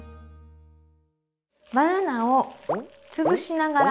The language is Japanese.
バナナを潰しながら。